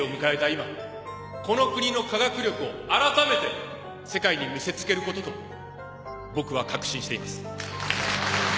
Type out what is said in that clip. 今この国の科学力をあらためて世界に見せつけることと僕は確信しています